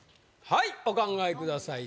はいお考えください